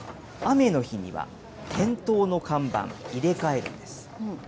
雨の日には、店頭の看板、入れ替えるんです。